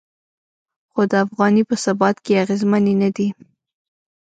خو د افغانۍ په ثبات کې اغیزمنې نه دي.